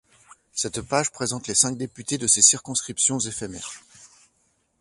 Cette page présente les cinq députés de ces circonscriptions éphémères.